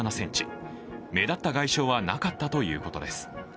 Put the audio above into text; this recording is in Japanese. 目立った外傷はなかったということです。